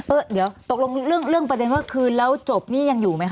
เออเดี๋ยวตกลงเรื่องประเด็นว่าคืนแล้วจบนี่ยังอยู่ไหมค